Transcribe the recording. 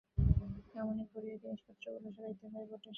এমনি করিয়াই জিনিসপত্রগুলো সরাইতে হয় বটে!